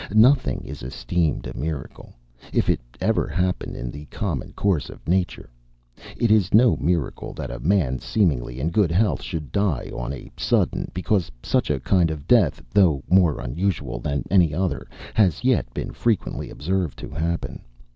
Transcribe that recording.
Nothing is esteemed a miracle, if it ever happen in the common course of nature. It is no miracle that a man, seemingly in good health, should die on a sudden; because such a kind of death, though more unusual than any other, has yet been frequently observed to happen.